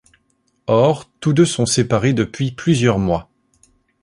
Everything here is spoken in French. Or, tous deux sont séparés depuis plusieurs mois.